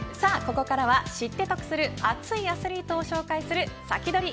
ここからは知って得する熱いアスリートを紹介するサキドリ！